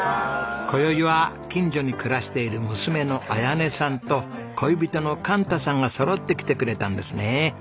今宵は近所に暮らしている娘の彩音さんと恋人の寛太さんがそろって来てくれたんですね。